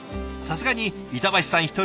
さすがに板橋さん